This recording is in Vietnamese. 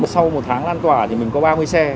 sau một tháng lan tỏa thì mình có ba mươi xe